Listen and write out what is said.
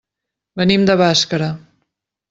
Venim de Bàscara.